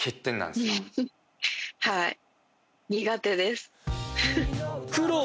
はい。